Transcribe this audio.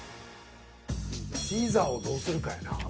シーザーをどうするかやな。